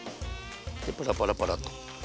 パラパラパラッと。